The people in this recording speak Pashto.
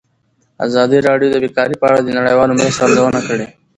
ازادي راډیو د بیکاري په اړه د نړیوالو مرستو ارزونه کړې.